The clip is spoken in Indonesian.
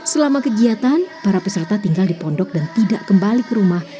selama kegiatan para peserta tinggal di pondok dan tidak kembali ke rumah